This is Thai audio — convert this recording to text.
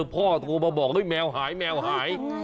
พ่อกลับเอามาบอกว่าไหมแมวหายแมวหาย